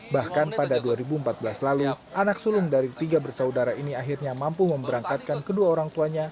bahkan pada dua ribu empat belas lalu anak sulung dari tiga bersaudara ini akhirnya mampu memberangkatkan kedua orang tuanya